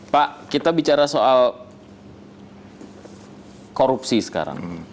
pak kita bicara soal korupsi sekarang